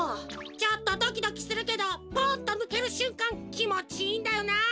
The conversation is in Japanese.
ちょっとドキドキするけどポンッとぬけるしゅんかんきもちいいんだよな！